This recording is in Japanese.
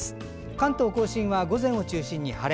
関東・甲信は午前を中心に晴れ。